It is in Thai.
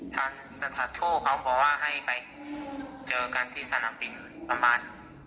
ทางสถานทูตเขาบอกว่าให้ไปเจอกันที่สนามบินประมาณ